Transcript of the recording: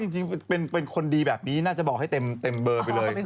จริงเป็นคนดีแบบนี้น่าจะบอกให้เต็มเบอร์ไปเลย